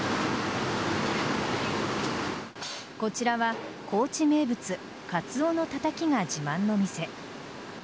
こちらは高知名物カツオのたたきが自慢の店。